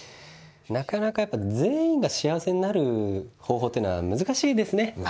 なかなかやっぱ全員が幸せになる方法っていうのは難しいですね